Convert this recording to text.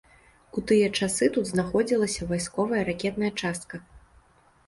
У тыя часы тут знаходзілася вайсковая ракетная частка.